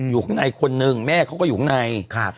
อยู่ข้างในคนนึงแม่เขาก็อยู่ข้างใน